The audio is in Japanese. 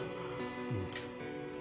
うん。